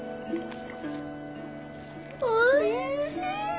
おいしい！